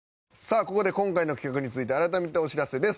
ここで今回の企画について改めてお知らせです。